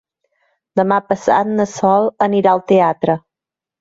Demà passat na Sol anirà al teatre.